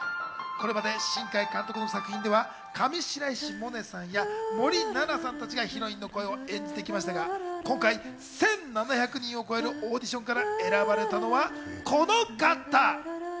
これまで新海監督の作品では上白石萌音さんや森七菜さんたちがヒロインの声を演じてきましたが、今回、１７００人を超えるオーディションから選ばれたのは、この方。